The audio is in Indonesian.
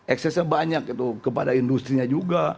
eksesnya banyak itu kepada industri nya juga